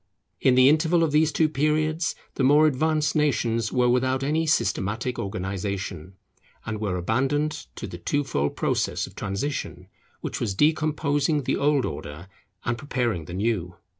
In the interval of these two periods the more advanced nations were without any systematic organization, and were abandoned to the two fold process of transition, which was decomposing the old order and preparing the new.